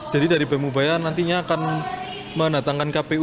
jadi dari bem ubaya nantinya akan mendatangkan kpu